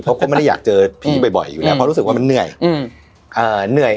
เพราะก็ไม่ได้อยากเจอพี่บ่อยอยู่แล้วเพราะรู้สึกว่ามันเหนื่อยเหนื่อย